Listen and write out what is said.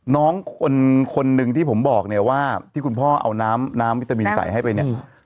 น้องคนคนหนึ่งที่ผมบอกเนี่ยว่าที่คุณพ่อเอาน้ำน้ำวิตามินใส่ให้ไปเนี่ย